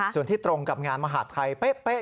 ส่วนที่ตรงกับงานมหาดไทยเป๊ะ